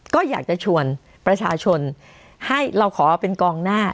ก็อยากจะชวนประชาชนให้เราขอเป็นกองหน้า